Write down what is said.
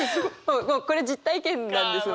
これ実体験なんです。